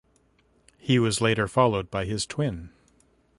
He was later followed by his twin.